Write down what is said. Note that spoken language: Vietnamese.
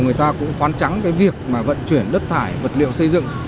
người ta cũng khoán trắng việc vận chuyển đất thải vật liệu xây dựng